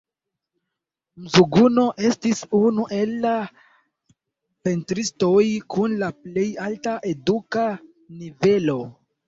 Mzuguno estis unu el la pentristoj kun la plej alta eduka nivelo.